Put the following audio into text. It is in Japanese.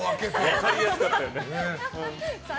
分かりやすかったよね。